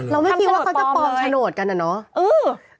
เราไม่คิดว่าเขาจะปลอมฉโนดกันเหอะ